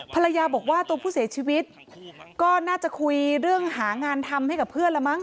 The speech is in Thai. ภรรยาบอกว่าตัวผู้เสียชีวิตก็น่าจะคุยเรื่องหางานทำให้กับเพื่อนละมั